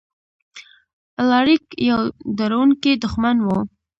الاریک یو ډاروونکی دښمن و.